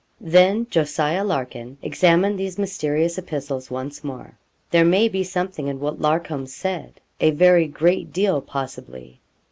Then Jos. Larkin examined these mysterious epistles once more. 'There may be something in what Larcom said a very great deal, possibly.